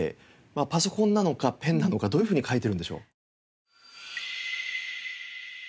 パソコンなのかペンなのかどういうふうに書いてるんでしょう？